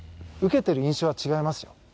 受けている印象は違います。